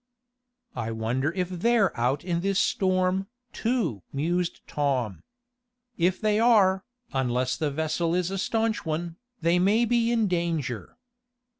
"I wonder if they're out in this storm, too?" mused Tom. "If they are, unless the vessel is a staunch one, they may be in danger."